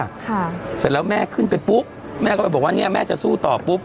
ค่ะเสร็จแล้วแม่ขึ้นไปปุ๊บแม่ก็ไปบอกว่าเนี้ยแม่จะสู้ต่อปุ๊บ